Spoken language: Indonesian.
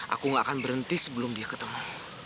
aku gak akan berhenti sebelum dia ketemu